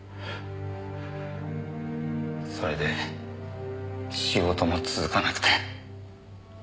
それで仕事も続かなくて。